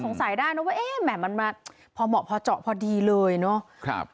สายได้นะว่าเอ๊ะแหม่มันมาพอเหมาะพอเจาะพอดีเลยเนาะ